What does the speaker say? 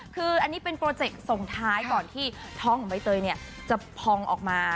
คืออันนี้เป็นโปรเจกต์ส่งท้ายก่อนที่ท้องของใบเตยจะพองออกมา